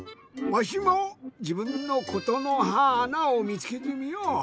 わしもじぶんの「ことのはーな」をみつけてみよう。